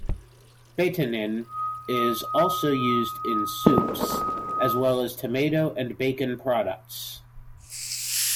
Betanin is also used in soups as well as tomato and bacon products.